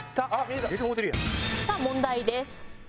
「さあ問題です」